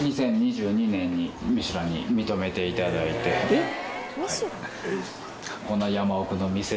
えっ！？